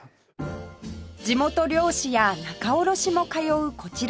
地元漁師や仲卸も通うこちら